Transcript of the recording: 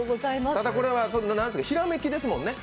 ただ、これはひらめきですもんね？